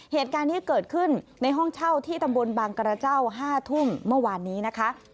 เหตุการณ์นี้เกิดขึ้นในห้องเช่าที่ตำบลบางกระเจ้า๕ทุ่มเมื่อวานนี้นะคะ